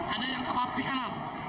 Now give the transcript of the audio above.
ada yang kapal di kanan